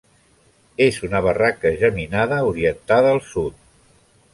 És una barraca geminada orientada al sud.